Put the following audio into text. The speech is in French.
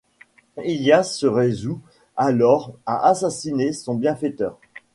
Ilyas se résout alors à assassiner son bienfaiteur…